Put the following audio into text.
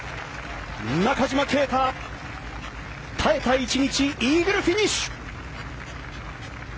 中島啓太、耐えた１日イーグルフィニッシュ！